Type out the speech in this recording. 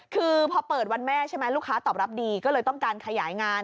คือพอเปิดวันแม่ใช่ไหมลูกค้าตอบรับดีก็เลยต้องการขยายงาน